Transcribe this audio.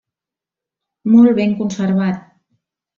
Molt ben conservat.